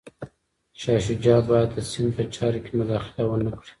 شاه شجاع باید د سند په چارو کي مداخله ونه کړي.